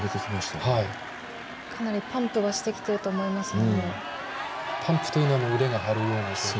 かなりパンプはしてきてると思いますね。